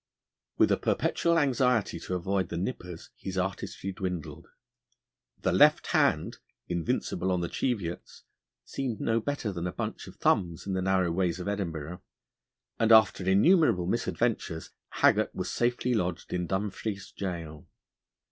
With a perpetual anxiety to avoid the nippers his artistry dwindled. The left hand, invincible on the Cheviots, seemed no better than a bunch of thumbs in the narrow ways of Edinburgh; and after innumerable misadventures Haggart was safely lodged in Dumfries gaol.